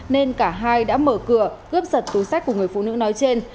nên cả hai đã mở cửa cướp giật túi sách của người phụ nữ nói trên